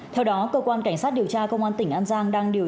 theo đó cơ quan cảnh sát điều tra công an tỉnh an giang đã ra thông báo